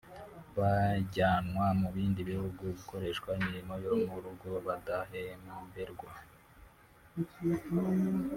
bajyanwa mu bindi bihugu gukoreshwa imirimo yo mu rugo badahemberwa